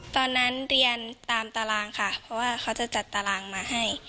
ตอนนั้นเรียนตามตารางค่ะเพราะว่าเขาจะจัดตารางมาให้